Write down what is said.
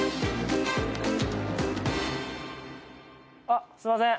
あっすんません。